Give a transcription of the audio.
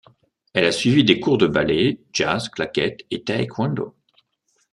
Elle a suivi des cours de ballet, jazz, claquettes et taekwondo.